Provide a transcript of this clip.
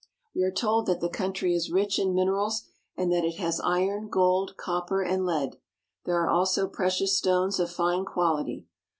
We are told that the country is rich in minerals, and that it has iron, gold, copper, and lead. There are also precious stones of fine quality.